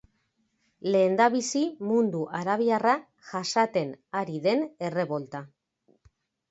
Lehendabizi mundu arabiarra jasaten ari den errebolta.